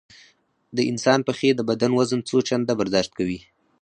د انسان پښې د بدن وزن څو چنده برداشت کوي.